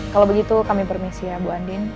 kalau begitu kami permisi ya bu andin